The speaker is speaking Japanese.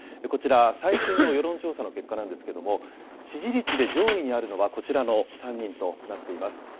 こちら、最新の世論調査の結果なんですけれども、支持率で上位にあるのは、こちらの３人となっています。